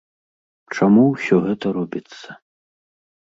Чаму ўсё гэта робіцца?